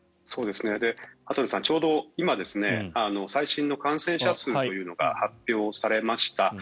羽鳥さん、ちょうど今最新の感染者数というのが発表されました。